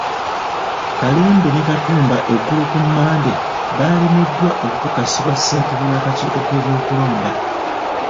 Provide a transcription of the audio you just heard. Kalembe ne Katumba eggulo ku Mmande baalemeddwa okukakasibwa ssentebe w'akakiiko k'ebyokulonda